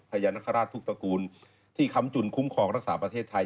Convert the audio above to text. พญานาคาราชทุกตระกูลที่ค้ำจุนคุ้มครองรักษาประเทศไทย